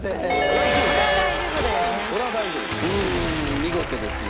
見事ですね。